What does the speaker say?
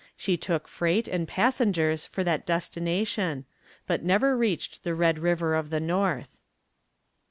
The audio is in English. She took freight and passengers for that destination, but never reached the Red River of the North.